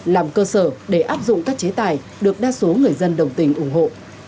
làm cơ sở để áp dụng các chế tài được đa số người dân đồng tình ủng hộ